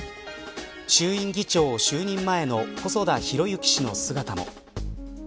衆院議長就任前の細田博之氏の姿も。